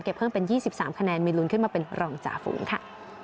เก็บเพิ่งเป็นยี่สิบสามคะแนนมีลุนขึ้นมาเป็นรองจาฟุ้งค่ะ